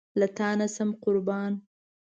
له تانه شم قربان